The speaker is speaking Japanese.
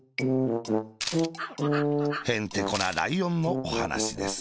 へんてこなライオンのおはなしです